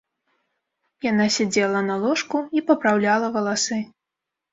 Яна сядзела на ложку і папраўляла валасы.